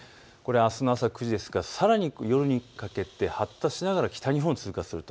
あすの朝９時ですがさらに夜にかけて発達しながら北日本に通過する。